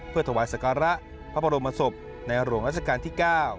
เพื่อถวายสการะพระบรมศพในหลวงราชการที่๙